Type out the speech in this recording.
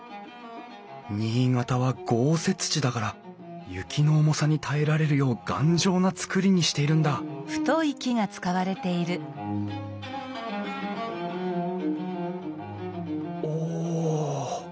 新潟は豪雪地だから雪の重さに耐えられるよう頑丈な造りにしているんだおお。